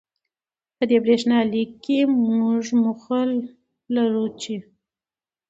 په دې برېښنالیک کې، موږ موخه لرو چې